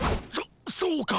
そそうか。